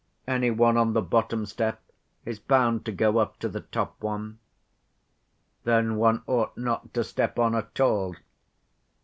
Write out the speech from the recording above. Any one on the bottom step is bound to go up to the top one." "Then one ought not to step on at all."